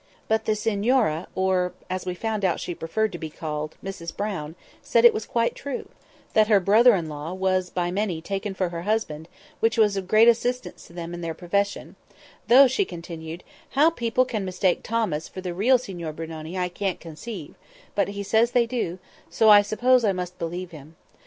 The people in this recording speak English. But the signora, or (as we found out she preferred to be called) Mrs Brown, said it was quite true; that her brother in law was by many taken for her husband, which was of great assistance to them in their profession; "though," she continued, "how people can mistake Thomas for the real Signor Brunoni, I can't conceive; but he says they do; so I suppose I must believe him.